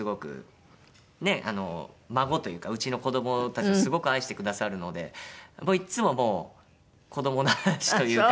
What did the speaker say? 孫というかうちの子どもたちをすごく愛してくださるのでいつももう子どもの話というか。